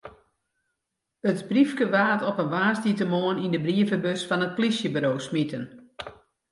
It briefke waard op in woansdeitemoarn yn de brievebus fan it polysjeburo smiten.